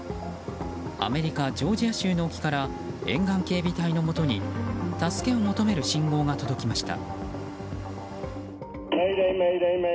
アメリカ・ジョージア州の沖から沿岸警備隊のもとに助けを求める信号が届きました。